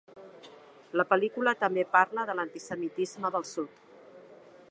La pel·lícula també parla de l'antisemitisme del sud.